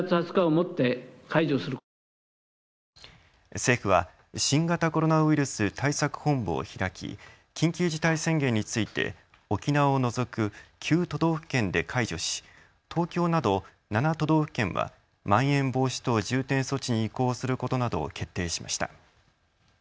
政府は新型コロナウイルス対策本部を開き、緊急事態宣言について沖縄を除く９都道府県で解除し東京など７都道府県はまん延防止等重点措置に移行することなどを決定しました。